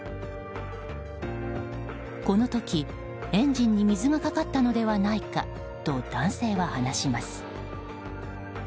この時、エンジンに水がかかったのではないかと男性は話します。